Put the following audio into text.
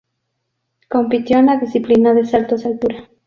Compitió en la disciplina de saltos de altura.